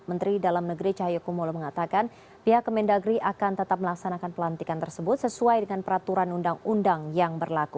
menteri dalam negeri cahayu kumolo mengatakan pihak kemendagri akan tetap melaksanakan pelantikan tersebut sesuai dengan peraturan undang undang yang berlaku